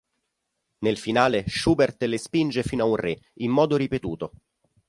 Nel finale, Schubert le spinge fino a un re, in modo ripetuto.